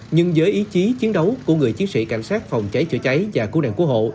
nhưng với ý chí chiến đấu của người chiến sĩ cảnh sát phòng cháy chữa cháy và cứu nạn cứu hộ